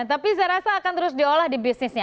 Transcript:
tapi saya rasa akan terus diolah di bisnisnya